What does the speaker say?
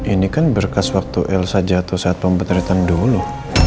ini kan berkas waktu elsa jatuh saat pemberterian dulu